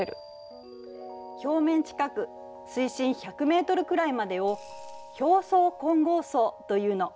表面近く水深１００ｍくらいまでを「表層混合層」というの。